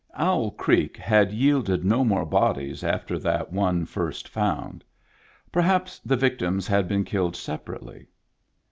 Owl Creek had yielded no more bodies after that one first found. Perhaps the victims had been killed separately.